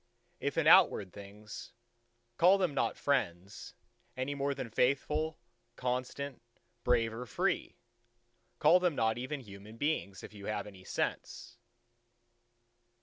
If in outward things, call them not friends, any more than faithful, constant, brave or free: call them not even human beings, if you have any sense.